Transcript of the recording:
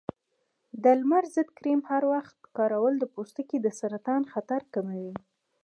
د لمر ضد کریم هر وخت کارول د پوستکي د سرطان خطر کموي.